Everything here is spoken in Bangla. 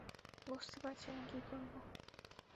বুঝতে পারছিনা কী করব।